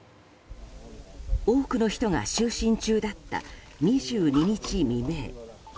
多くの人が就寝中だった２２日未明。